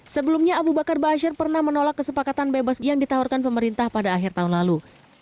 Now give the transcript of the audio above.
sebelumnya abu bakar ⁇ baasyir ⁇ pernah menolak kesepakatan bebas yang ditawarkan pemerintah pada akhir tahun lalu